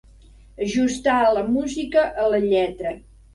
Ajustar la música a la lletra.